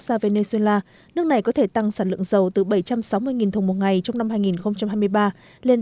gia venezuela nước này có thể tăng sản lượng dầu từ bảy trăm sáu mươi thùng một ngày trong năm hai nghìn hai mươi ba lên tám trăm tám mươi